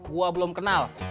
gua belum kenal